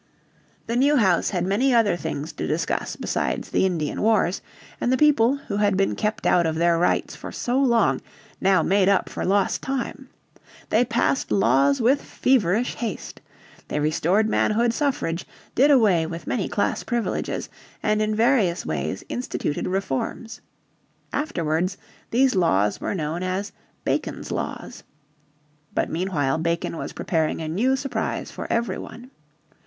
The new House had many other things to discuss besides the Indian wars, and the people, who had been kept out of their rights for so long, now made up for lost time. They passed laws with feverish haste. They restored manhood suffrage, did away with many class privileges, and in various ways instituted reforms. Afterwards these laws were known as Bacon's Laws. But meanwhile Bacon was preparing a new surprise for every one.